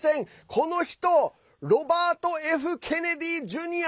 この人、ロバート・Ｆ・ケネディ・ジュニア。